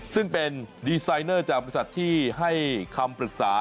ซึ่งเป็นดีไซเนอร์จากบริษัทที่ให้คำปรึกษา